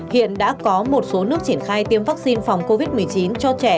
hiện đã có một số nước triển khai tiêm vaccine phòng covid một mươi chín cho trẻ